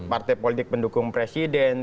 partai politik pendukung presiden